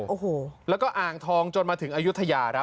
โอ้โหแล้วก็อ่างทองจนมาถึงอายุทยาครับ